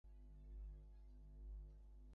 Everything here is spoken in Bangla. যা করার আমার সাথে করো।